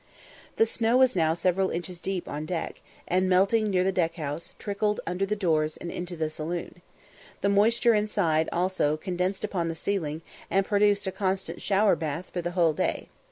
The snow was now several inches deep on deck, and, melting near the deck house, trickled under the doors into the saloon. The moisture inside, also, condensed upon the ceiling, and produced a constant shower bath for the whole day.